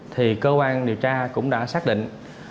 thì cơ quan điều tra cũng đã xác định